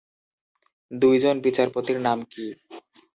দুই জন বিচারপতির নাম কি?